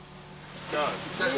じゃあ。